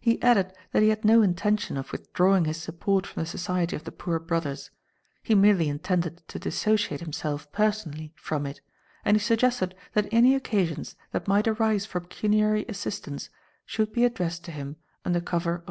He added that he had no intention of withdrawing his support from the Society of the Poor Brothers; he merely intended to dissociate himself, personally, from it, and he suggested that any occasions that might arise for pecuniary assistance should be addressed to him under cover of M.